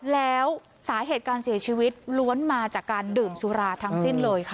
แล้วสาเหตุการเสียชีวิตล้วนมาจากการดื่มสุราทั้งสิ้นเลยค่ะ